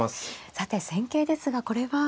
さて戦型ですがこれは。